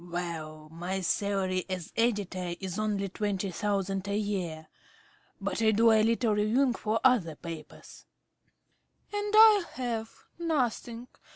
~Smith.~ Well, my salary as editor is only twenty thousand a year, but I do a little reviewing for other papers. ~Arabella.~ And I have nothing.